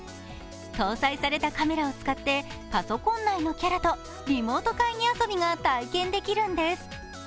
搭載されたカメラを使ってパソコン内のキャラとリモート会議遊びが体験できるんです。